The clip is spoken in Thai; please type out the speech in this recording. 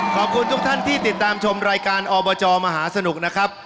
ขอบคุณทุกท่านที่ติดตามชมรายการอบจมหาสนุกนะครับ